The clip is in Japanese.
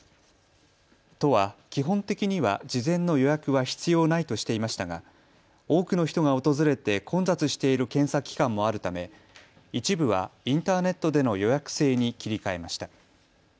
都は基本的には事前の予約は必要ないとしていましたが多くの人が訪れて混雑している検査機関もあるため、一部はインターネットでの予約制に切り替えました。